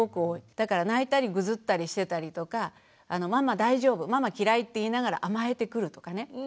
だから泣いたりぐずったりしてたりとかママ大丈夫ママ嫌いって言いながら甘えてくるとかね。